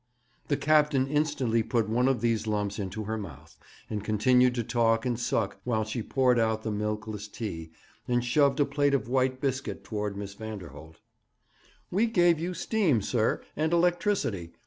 The captain instantly put one of these lumps into her mouth, and continued to talk and suck while she poured out the milkless tea, and shoved a plate of white biscuit towards Miss Vanderholt. 'We gave you steam, sir, and electricity.